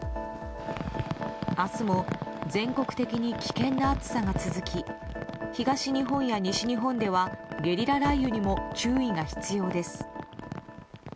明日も全国的に危険な暑さが続き東日本や西日本ではゲリラ雷雨にも注意が必要です。